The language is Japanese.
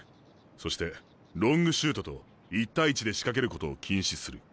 そしてロングシュートと１対１で仕掛けることを禁止する。